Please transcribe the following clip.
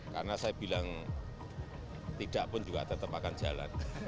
karena saya bilang tidak pun juga tetap akan jalan